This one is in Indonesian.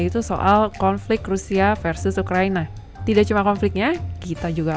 tiga tahun ambil apa yoga